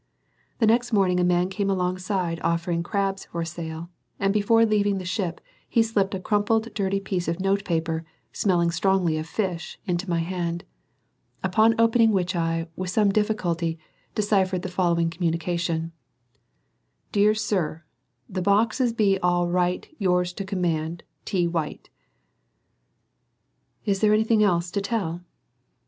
The next morning a man came alongside offering crabs for sale, and before leaving the ship, he slipped a crumpled, dirty piece of note paper, smelling strongly of fish, into my hand; upon opening which I, with some difficulty, deciphered the following communication: "Deer Sur the boxis be awl rite yours to command T. White." Is there anything else to tell?